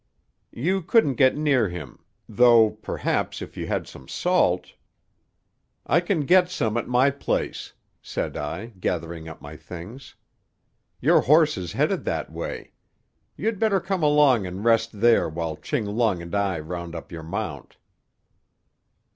"You couldn't get near him—though, perhaps, if you had some salt—" "I can get some at my place," said I, gathering up my things. "Your horse is headed that way. You'd better come along and rest there while Ching Lung and I round up your mount."